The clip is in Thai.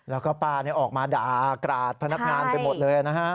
แล้วก็ป้าออกมาด่ากราดพนักงานไปหมดเลยนะฮะ